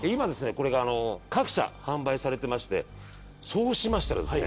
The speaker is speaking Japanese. これが各社販売されてましてそうしましたらですね